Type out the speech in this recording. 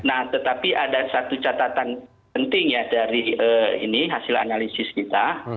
nah tetapi ada satu catatan penting ya dari ini hasil analisis kita